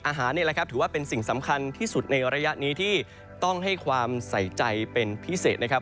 นี่แหละครับถือว่าเป็นสิ่งสำคัญที่สุดในระยะนี้ที่ต้องให้ความใส่ใจเป็นพิเศษนะครับ